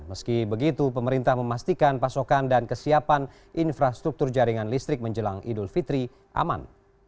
meski begitu pemerintah memastikan pasokan dan kesiapan infrastruktur jaringan listrik menjelang idul fitri aman